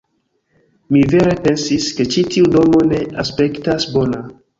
Mi vere pensis, ke ĉi tiu domo ne aspektas bona